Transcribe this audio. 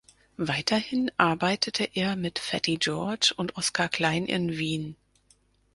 Weiterhin arbeitete er mit Fatty George und Oscar Klein in Wien.